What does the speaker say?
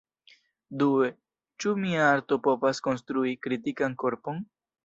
Due: Ĉu mia arto povas konstrui "kritikan korpon"?